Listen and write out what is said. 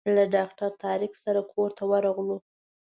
له ډاکټر طارق سره کور ته ورغلو.